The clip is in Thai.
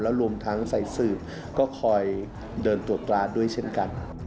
รวมทั้งใส่สืบก็คอยเดินตรวจตราดด้วยเช่นกัน